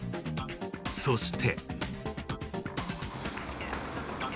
そして。